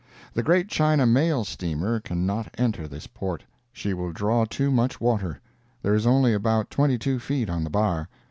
The great China mail steamer can not enter this port. She will draw too much water—there is only about twenty two feet on the bar.